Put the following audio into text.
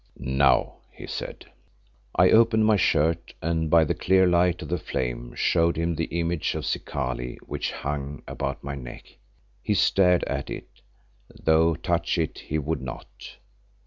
"Now," he said. I opened my shirt and by the clear light of the flame showed him the image of Zikali which hung about my neck. He stared at it, though touch it he would not.